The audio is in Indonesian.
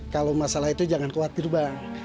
kalau masalah itu jangan khawatir bang